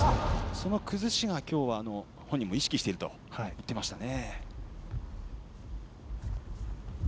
その崩しが今日は本人も意識していると言っていましたね。